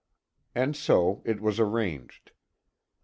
And so it was arranged.